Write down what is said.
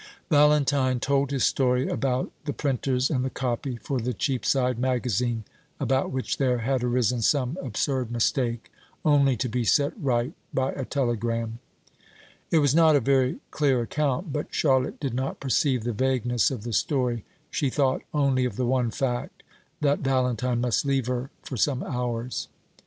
Valentine told his story about the printers and the copy for the Cheapside magazine, about which there had arisen some absurd mistake, only to be set right by a telegram. It was not a very clear account; but Charlotte did not perceive the vagueness of the story; she thought only of the one fact, that Valentine must leave her for some hours.